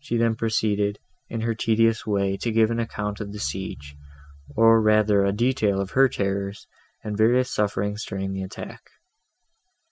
She then proceeded, in her tedious way, to give an account of the siege, or rather a detail of her terrors and various sufferings, during the attack.